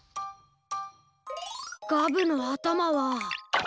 ガブのあたまは。